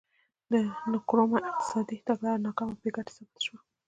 د نکرومه اقتصادي تګلاره ناکامه او بې ګټې ثابته شوه.